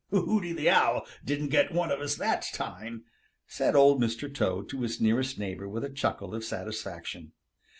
"Hooty the Owl didn't get one of us that time," said Old Mr. Toad to his nearest neighbor with a chuckle of satisfaction.